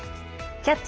「キャッチ！